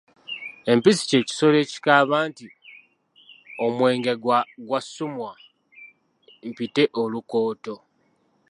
Empisi kye kisolo ekikaaba nti "Omwenge gwa Ssuumwa, mpite olukooto".